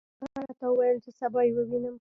هغه راته وویل چې سبا یې ووینم.